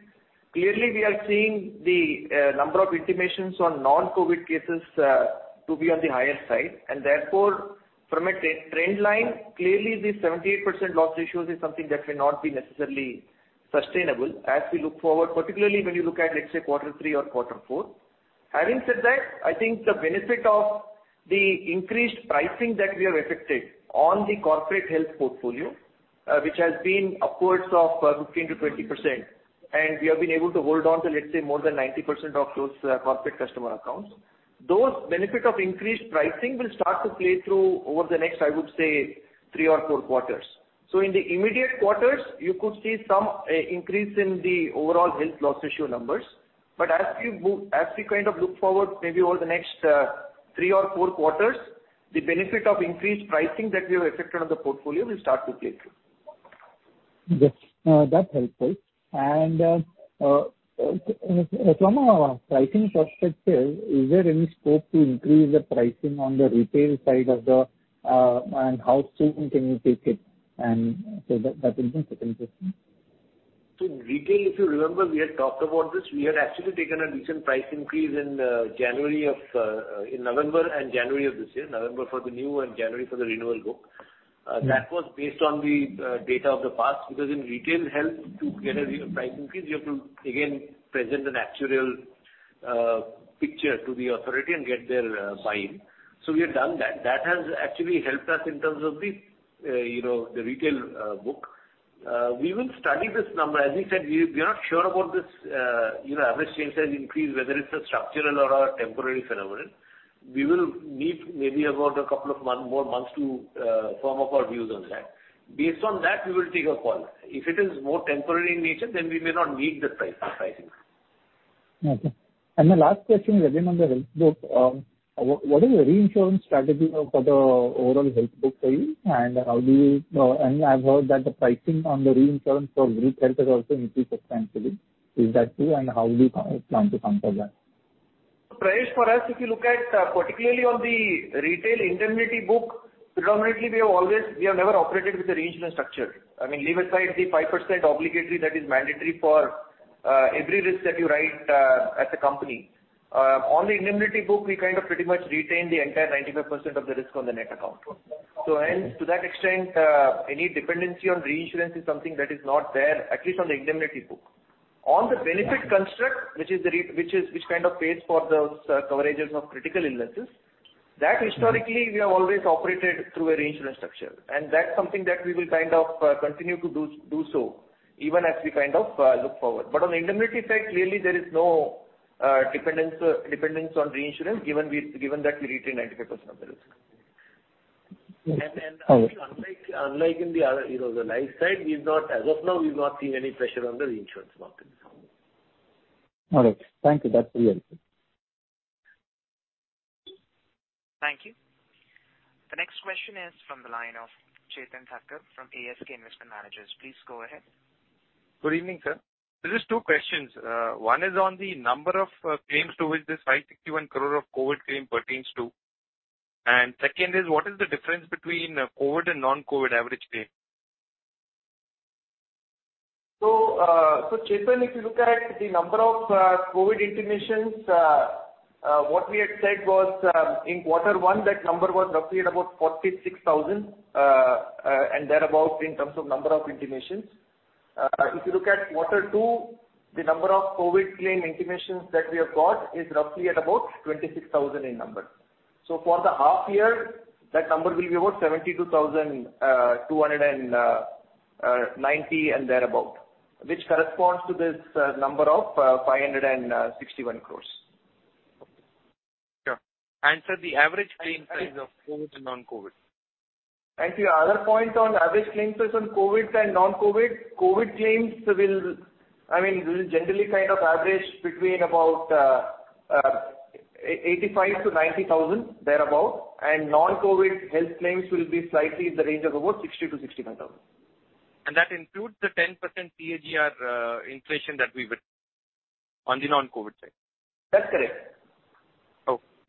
clearly we are seeing the number of intimations on non-COVID cases to be on the higher side. Therefore, from a trend line, clearly the 78% loss ratios is something that may not be necessarily sustainable as we look forward, particularly when you look at, let's say, quarter three or quarter four. Having said that, I think the benefit of the increased pricing that we have effected on the corporate health portfolio, which has been upwards of 15%-20%, and we have been able to hold on to, let's say, more than 90% of those corporate customer accounts. Those benefit of increased pricing will start to play through over the next, I would say, three or four quarters. In the immediate quarters, you could see some increase in the overall health loss ratio numbers. As we kind of look forward maybe over the next three or four quarters, the benefit of increased pricing that we have effected on the portfolio will start to play through. Yes. That's helpful. From a pricing perspective, is there any scope to increase the pricing on the retail side and how soon can you take it? That is the second question. Retail, if you remember, we had talked about this. We had actually taken a decent price increase in November and January of this year. November for the new and January for the renewal book. That was based on the data of the past, because in retail health, to get a real price increase, you have to again present an actual picture to the authority and get their buy-in. We have done that. That has actually helped us in terms of the retail book. We will study this number. As we said, we are not sure about this average claims has increased, whether it's a structural or a temporary phenomenon. We will need maybe about a couple of more months to firm up our views on that. Based on that, we will take a call. If it is more temporary in nature, we may not need the pricing. Okay. My last question is again on the health book. What is your reinsurance strategy for the overall health book segment and I've heard that the pricing on the reinsurance for group health has also increased substantially. Is that true, and how do you plan to counter that? Prayesh, for us, if you look at particularly on the retail indemnity book, predominantly, we have never operated with a reinsurance structure. I mean, leave aside the 5% obligatory that is mandatory for every risk that you write as a company. On the indemnity book, we kind of pretty much retain the entire 95% of the risk on the net account. Hence, to that extent, any dependency on reinsurance is something that is not there, at least on the indemnity book. On the benefit construct, which kind of pays for those coverages of critical illnesses, that historically, we have always operated through a reinsurance structure, and that's something that we will kind of continue to do so even as we look forward. On the indemnity side, clearly there is no dependence on reinsurance given that we retain 95% of the risk. Okay. I think unlike in the life side, as of now, we've not seen any pressure on the reinsurance market. All right. Thank you. That's really helpful. Thank you. The next question is from the line of Chetan Thacker from ASK Investment Managers. Please go ahead. Good evening, sir. There is two questions. One is on the number of claims to which this 561 crore of COVID claim pertains to. Second is, what is the difference between COVID and non-COVID average claim? Chetan, if you look at the number of COVID intimations, what we had said was in quarter one, that number was roughly at about 46,000 and thereabout in terms of number of intimations. If you look at quarter two, the number of COVID claim intimations that we have got is roughly at about 26,000 in number. For the half year, that number will be about 72,290 and thereabout, which corresponds to this number of 561 crores. Sure. Sir, the average claim size of COVID and non-COVID? To your other point on average claim size on COVID and non-COVID, COVID claims will generally kind of average between about 85,000-90,000 thereabout, and non-COVID health claims will be slightly in the range of about 60,000-65,000. That includes the 10% CAGR inflation that we were on the non-COVID side. That's correct.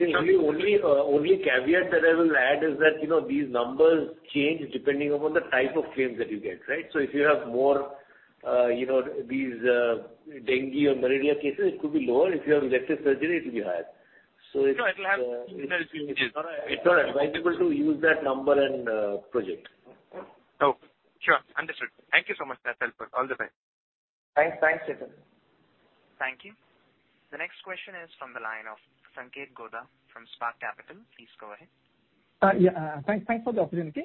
Oh. The only caveat that I will add is that these numbers change depending upon the type of claims that you get. If you have more dengue or malaria cases, it could be lower. If you have elective surgery, it will be higher. No, it'll have. It's not advisable to use that number and project. Oh, sure. Understood. Thank you so much for that, sir. All the best. Thanks. Thank you. The next question is from the line of Sanketh Godha from Spark Capital. Please go ahead. Yeah. Thanks for the opportunity.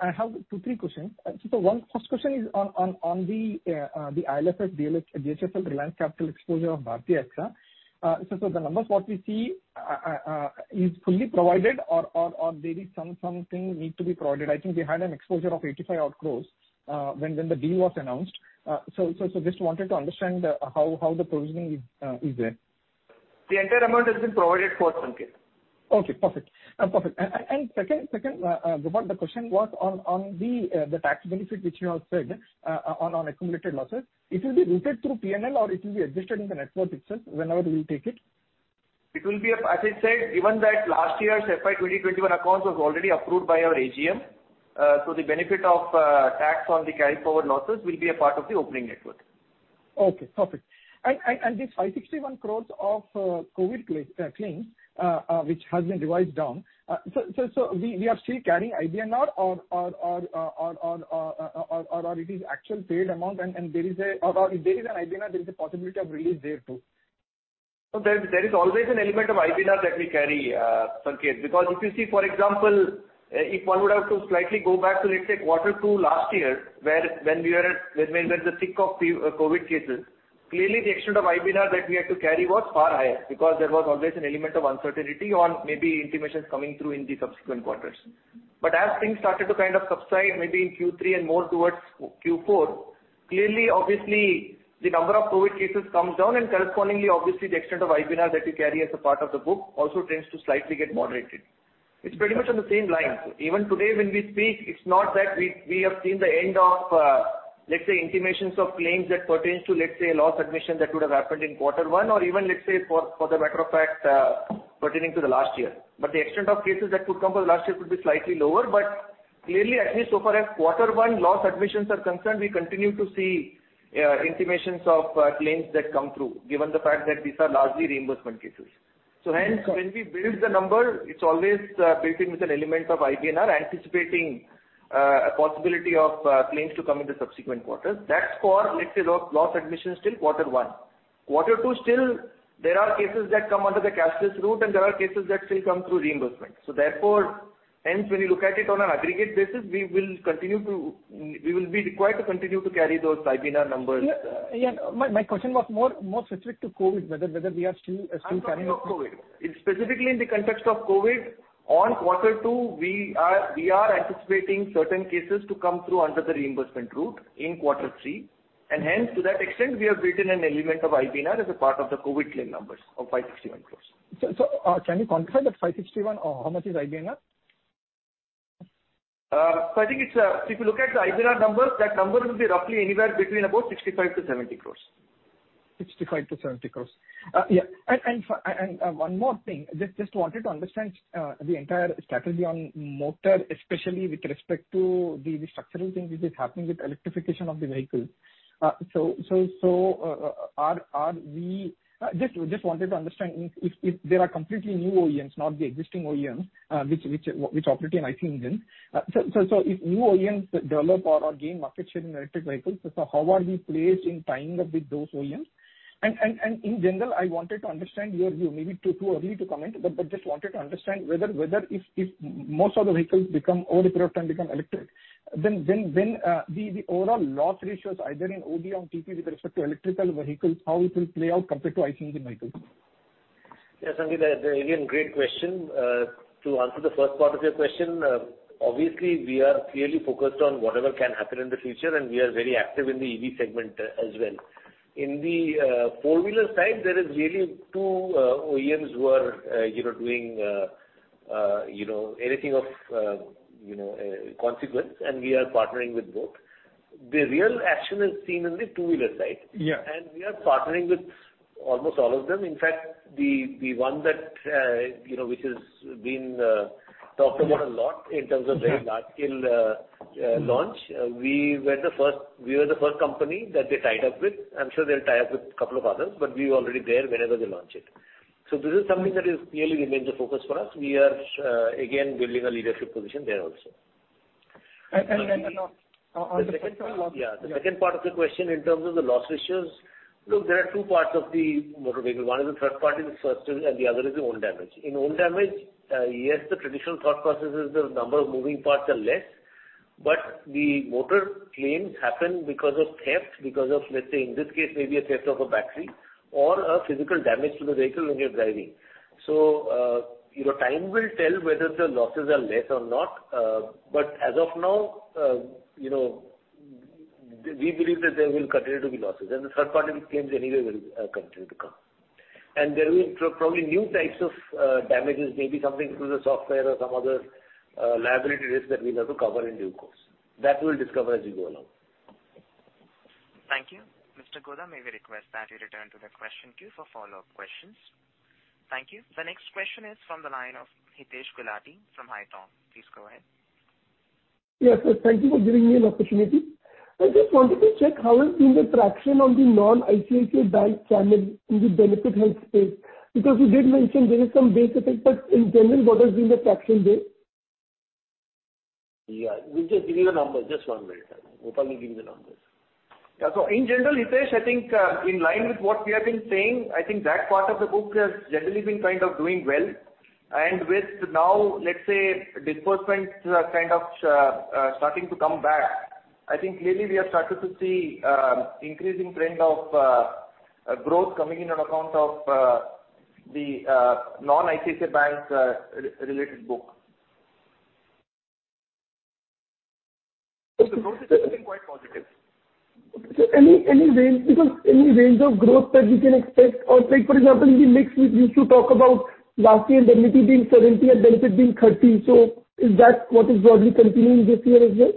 I have two, three questions. First question is on the IL&FS, DHFL, Reliance Capital exposure of Bharti AXA. The numbers what we see is fully provided or maybe something needs to be provided. I think we had an exposure of 85 crores when the deal was announced. Just wanted to understand how the provisioning is there. The entire amount has been provided for, Sanketh. Okay, perfect. Second, Gopal, the question was on the tax benefit, which you have said, on accumulated losses. It will be routed through P&L, or it will be adjusted in the network itself whenever you take it? As I said, given that last year's FY 2021 accounts was already approved by our AGM, so the benefit of tax on the carry forward losses will be a part of the opening network. Okay, perfect. This 561 crores of COVID claims which has been revised down. We are still carrying IBNR or it is actual paid amount and if there is an IBNR, there is a possibility of release there, too. No, there is always an element of IBNR that we carry, Sanketh. If you see, for example, if one would have to slightly go back to, let's say, quarter two last year, when we were at the thick of COVID cases, clearly the extent of IBNR that we had to carry was far higher because there was always an element of uncertainty on maybe intimations coming through in the subsequent quarters. As things started to kind of subside, maybe in Q3 and more towards Q4, clearly, obviously, the number of COVID cases comes down and correspondingly, obviously, the extent of IBNR that you carry as a part of the book also tends to slightly get moderated. It's pretty much on the same lines. Even today when we speak, it's not that we have seen the end of, let's say, intimations of claims that pertains to, let's say, loss admission that would have happened in quarter one or even, let's say, for the matter of fact, pertaining to the last year. The extent of cases that could come for the last year could be slightly lower. Clearly, at least so far as quarter one loss admissions are concerned, we continue to see intimations of claims that come through, given the fact that these are largely reimbursement cases. Hence, when we build the number, it's always built in with an element of IBNR anticipating a possibility of claims to come in the subsequent quarters. That's for, let's say, loss admissions till quarter one. Quarter two, still there are cases that come under the cashless route and there are cases that still come through reimbursement. Therefore, hence, when you look at it on an aggregate basis, we will be required to continue to carry those IBNR numbers. Yeah. My question was more specific to COVID, whether we are still carrying- Absolutely. On COVID. Specifically in the context of COVID, on quarter two, we are anticipating certain cases to come through under the reimbursement route in quarter three, and hence to that extent, we have built in an element of IBNR as a part of the COVID claim numbers of 561 crores. Can you confirm that 561, how much is IBNR? I think if you look at the IBNR numbers, that number would be roughly anywhere between about 65 crore-70 crore. 65 crore-70 crore. Yeah. One more thing. Just wanted to understand the entire strategy on motor, especially with respect to the structural thing which is happening with electrification of the vehicle. Just wanted to understand if there are completely new OEMs, not the existing OEMs which operate an IC engine. If new OEMs develop or gain market share in electric vehicles, how are we placed in tying up with those OEMs? In general, I wanted to understand your view. Maybe too early to comment, but just wanted to understand whether if most of the vehicles over a period of time become electric, then the overall loss ratios either in OD or TP with respect to electric vehicles, how it will play out compared to IC engine vehicles. Yeah, Sanketh, again, great question. To answer the first part of your question, obviously, we are clearly focused on whatever can happen in the future and we are very active in the EV segment as well. In the four-wheeler side, there is really two OEMs who are doing anything of consequence and we are partnering with both. The real action is seen in the two-wheeler side. Yeah. We are partnering with almost all of them. In fact, the one which has been talked about a lot in terms of very large-scale launch, we were the first company that they tied up with. I'm sure they'll tie up with a couple of others, but we're already there whenever they launch it. This is something that clearly remains a focus for us. We are again building a leadership position there also. And then on the second- The second part of the question in terms of the loss ratios, look, there are two parts of the motor vehicle. One is the third party, the first, and the other is the own damage. In own damage, yes, the traditional thought process is the number of moving parts are less, but the motor claims happen because of theft, because of, let's say, in this case, maybe a theft of a battery or a physical damage to the vehicle when you're driving. Time will tell whether the losses are less or not. As of now, we believe that there will continue to be losses and the third party claims anyway will continue to come. There will probably be new types of damages, maybe something through the software or some other liability risk that we'll have to cover in due course. That we'll discover as we go along. Thank you. Mr. Godha, may we request that you return to the question queue for follow-up questions. Thank you. The next question is from the line of Hitesh Gulati from Haitong. Please go ahead. Yes, sir. Thank you for giving me an opportunity. I just wanted to check how has been the traction on the non-ICICI Bank channel in the benefit health space. You did mention there is some base effect, but in general, what has been the traction there? Yeah. We'll just give you the numbers. Just one minute. Gopal will give you the numbers. Yeah. In general, Hitesh, I think in line with what we have been saying, I think that part of the book has generally been doing well. With now, let's say, disbursements are starting to come back, I think clearly we have started to see increasing trend of growth coming in on account of the non-ICICI Bank-related book. The growth has been quite positive. Okay. Any range of growth that we can expect? For example, in the mix, we used to talk about last year indemnity being 70% and benefit being 30%. Is that what is broadly continuing this year as well?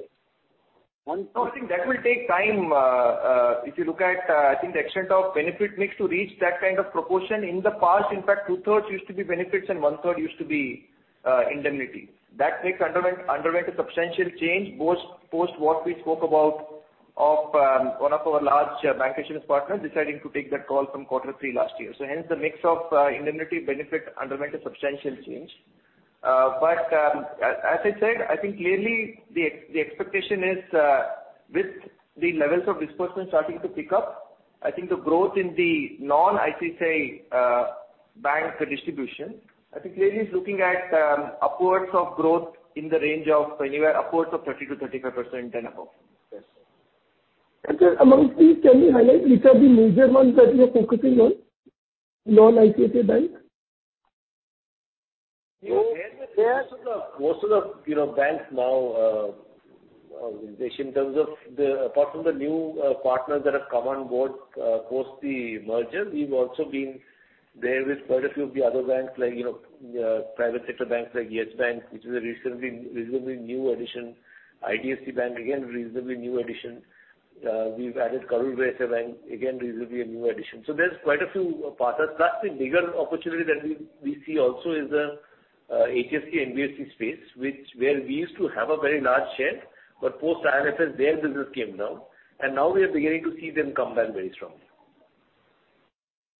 I think that will take time. If you look at, I think the extent of benefit mix to reach that kind of proportion in the past, in fact, two third used to be benefits and one third used to be indemnity. That mix underwent a substantial change post what we spoke about of one of our large bank insurance partners deciding to take that call from quarter three last year. Hence the mix of indemnity benefit underwent a substantial change. As I said, I think clearly the expectation is with the levels of disbursement starting to pick up, I think the growth in the non-ICICI Bank distribution, I think clearly is looking at upwards of growth in the range of anywhere upwards of 30%-35% and above. Yes. Sir, among these, can you highlight which are the major ones that you are focusing on, non-ICICI Bank? Most of the banks now, in terms of apart from the new partners that have come on board post the merger, we've also been there with quite a few of the other banks like private sector banks like Yes Bank, which is a reasonably new addition. IDFC Bank, again, reasonably new addition. We've added Karur Vysya Bank, again, reasonably a new addition. So there's quite a few partners. Plus, the bigger opportunity that we see also is the HFC, NBFC space, where we used to have a very large share, but post IL&FS, their business came down. Now we are beginning to see them come back very strongly.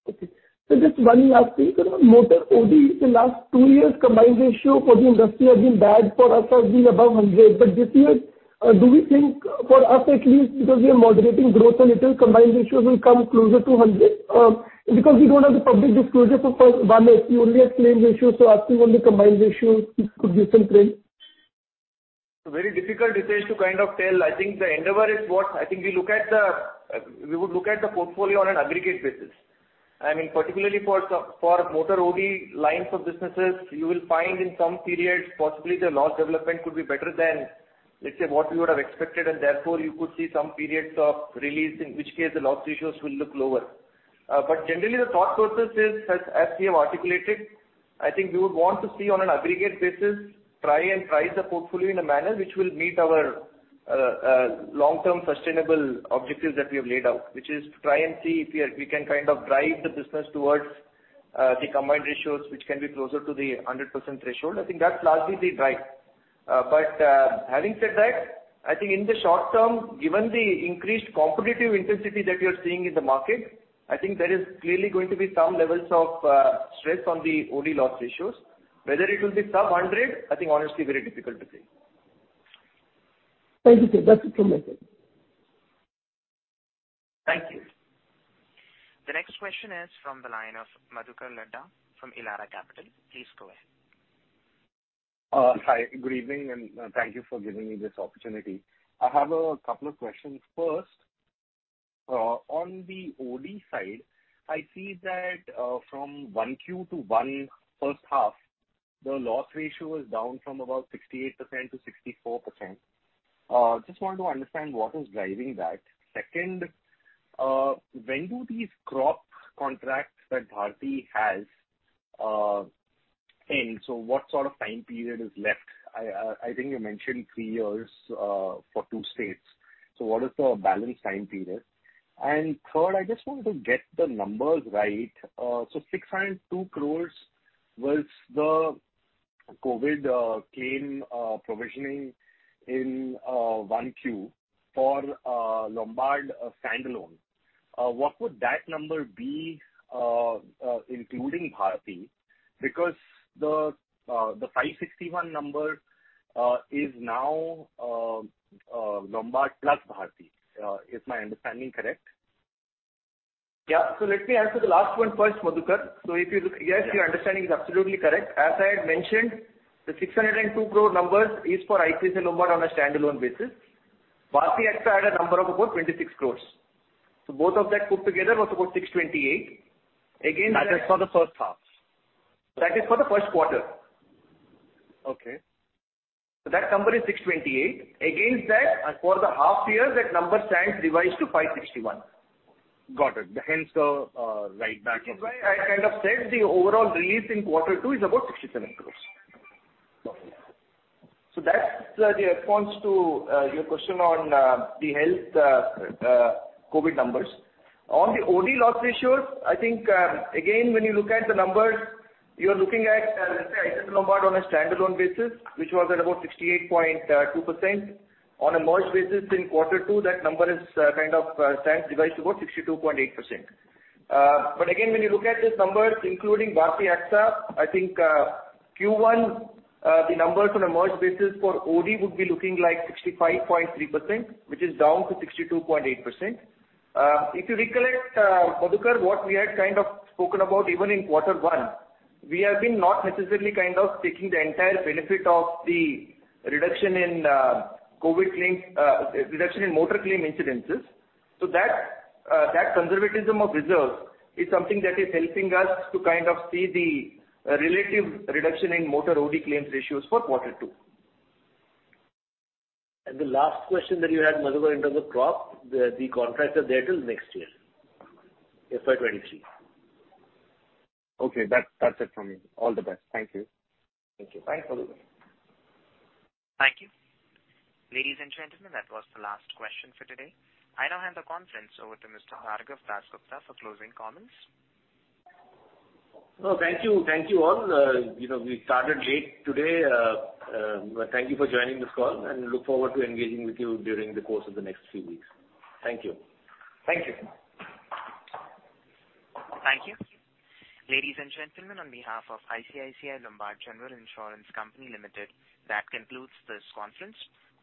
Okay. Sir, just one last thing. Motor OD, the last two years combined ratio for the industry has been bad. For us has been above 100. This year, do we think for us at least, because we are moderating growth a little, combined ratios will come closer to 100? We don't have the public disclosure for one year, we only have claim ratio. Asking on the combined ratio, if you could give some trend. Very difficult, Hitesh, to tell. I think the endeavor is I think we would look at the portfolio on an aggregate basis. Particularly for motor OD lines of businesses, you will find in some periods, possibly the loss development could be better than, let's say, what we would have expected, and therefore you could see some periods of release, in which case the loss ratios will look lower. Generally, the thought process is, as we have articulated, I think we would want to see on an aggregate basis, try and price the portfolio in a manner which will meet our long-term sustainable objectives that we have laid out, which is to try and see if we can drive the business towards the combined ratios, which can be closer to the 100% threshold. I think that's largely the drive. Having said that, I think in the short term, given the increased competitive intensity that we are seeing in the market, I think there is clearly going to be some levels of stress on the OD loss ratios. Whether it will be sub 100, I think honestly, very difficult to say. Thank you, sir. That's it from my side. Thank you. The next question is from the line of Madhukar Ladha from Elara Capital. Please go ahead. Hi, good evening. Thank you for giving me this opportunity. I have a couple of questions. First, on the OD side, I see that from 1Q to first half, the loss ratio is down from about 68% to 64%. I just want to understand what is driving that. Second, when do these crop contracts that Bharti has end? What sort of time period is left? I think you mentioned three years for two states. What is the balance time period? Third, I just wanted to get the numbers right. 602 crore was the COVID claim provisioning in 1Q for Lombard standalone. What would that number be including Bharti? The 561 is now Lombard plus Bharti. Is my understanding correct? Let me answer the last one first, Madhukar. Yes, your understanding is absolutely correct. As I had mentioned, the 602 crore is for ICICI Lombard on a standalone basis. Bharti AXA had a number of about 26 crores. Both of that put together was about 628. That's for the first half. That is for the first quarter. Okay. That number is 628. Against that, for the half year, that number stands revised to 561. Got it. Hence the write back. Which is why I said the overall release in quarter two is about 67 crores. That's the response to your question on the health COVID numbers. On the OD loss ratios, I think again, when you look at the numbers, you're looking at ICICI Lombard on a standalone basis, which was at about 68.2%. On a merged basis in quarter two, that number is kind of stands revised, about 62.8%. Again, when you look at these numbers, including Bharti AXA, I think Q1, the numbers on a merged basis for OD would be looking like 65.3%, which is down to 62.8%. If you recollect, Madhukar, what we had kind of spoken about even in quarter one, we have been not necessarily kind of taking the entire benefit of the reduction in motor claim incidences. That conservatism of reserves is something that is helping us to kind of see the relative reduction in motor OD claims ratios for quarter two. The last question that you had, Madhukar, in terms of crop, the contracts are there till next year, FY 2023. Okay. That's it from me. All the best. Thank you. Thank you. Bye for now. Thank you. Ladies and gentlemen, that was the last question for today. I now hand the conference over to Mr. Raghuvendra Gupta for closing comments. Thank you all. We started late today, but thank you for joining this call, and look forward to engaging with you during the course of the next few weeks. Thank you. Thank you. Thank you. Ladies and gentlemen, on behalf of ICICI Lombard General Insurance Company Limited, that concludes this conference.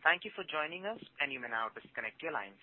Thank you for joining us, and you may now disconnect your lines.